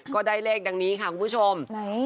ก็ได้เลขดังนี้ค่ะคุณผู้ชม